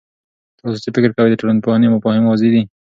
تاسو څه فکر کوئ، د ټولنپوهنې مفاهیم واضح دي؟